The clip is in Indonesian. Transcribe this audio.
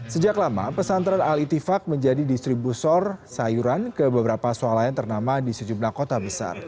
sejak lama pesantren al itifak menjadi distributor sayuran ke beberapa soal lain ternama di sejumlah kota besar